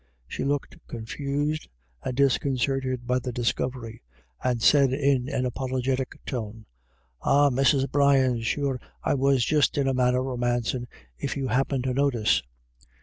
She looked confused and disconcerted by the discovery, and said in an apologetic tone :" Ah, Mrs. Brian, sure I was just in a manner romancin', if you happint to notice.